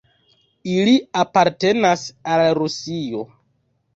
Ili apartenas al Rusio.